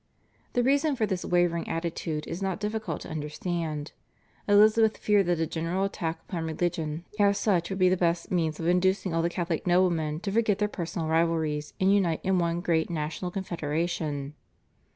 The reason for this wavering attitude is not difficult to understand. Elizabeth feared that a general attack upon religion as such would be the best means of inducing all the Catholic noblemen to forget their personal rivalries and unite in one great national confederation.